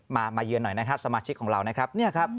มาเยือนหน่อยนะครับสมาชิกของเรานะครับ